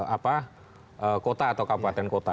apa kota atau kabupaten kota